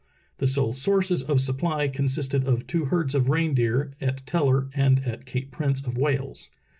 The sole sources of supply consisted of two herds of reindeer, at Teller and at Cape Prince of Wales.